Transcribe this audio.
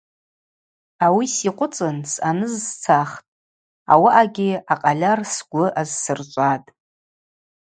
Ауи сикъвыцӏын съаныз сцахтӏ, ауаъагьи акъальар сгвы азсырчӏватӏ.